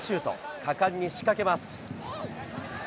果敢に仕掛けます。